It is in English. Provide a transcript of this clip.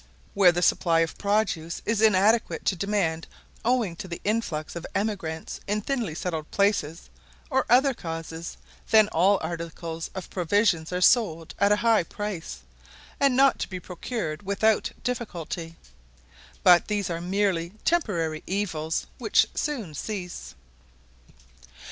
Where the supply of produce is inadequate to the demand owing to the influx of emigrants in thinly settled places, or other causes, then all articles of provisions are sold at a high price, and not to be procured without difficulty; but these are merely temporary evils, which soon cease.